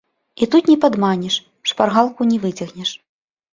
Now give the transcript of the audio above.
І тут не падманеш, шпаргалку не выцягнеш.